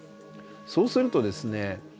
そうするとですね